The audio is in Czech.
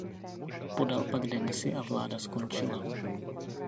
Podal pak demisi a vláda skončila.